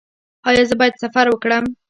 ایا زه باید سفر وکړم؟